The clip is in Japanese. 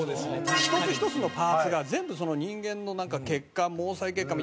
一つ一つのパーツが全部人間の血管毛細血管みたいに。